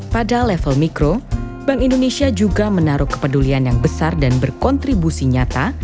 pada level mikro bank indonesia juga menaruh kepedulian yang besar dan berkontribusi nyata